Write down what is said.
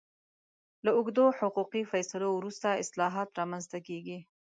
له اوږدو حقوقي فیصلو وروسته اصلاحات رامنځته کېږي.